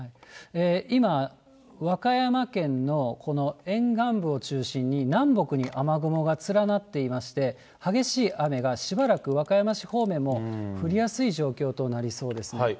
今、和歌山県のこの沿岸部を中心に、南北に雨雲が連なっていまして、激しい雨がしばらく、和歌山市方面も降りやすい状況となりそうですね。